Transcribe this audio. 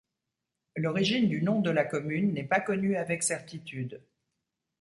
L'origine du nom de la commune n'est pas connue avec certitude.